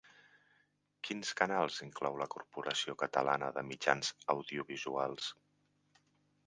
Quins canals inclou la Corporació Catalana de Mitjans Audiovisuals?